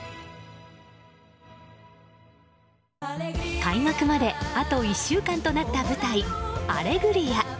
開幕まであと１週間となった舞台「アレグリア」。